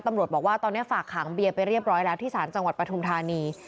ตำรวจบอกว่าตอนนี้ฝากขังเบียร์ไปเรียบร้อยแล้วที่ศาลจังหวัดปฐุมธานี